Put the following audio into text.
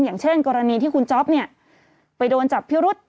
อย่างเช่นกรณีที่คุณจ๊อปเนี่ยไปโดนจับพิรุษ